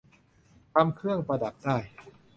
ทำเครื่องประดับได้